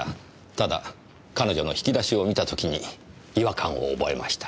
ただ彼女の引き出しを見た時に違和感を覚えました。